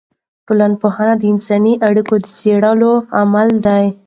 ټولنپوهنه د انساني اړیکو د څېړلو علم دی.